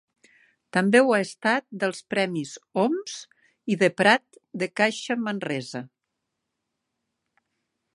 També ho ha estat dels premis Oms i de Prat de Caixa Manresa.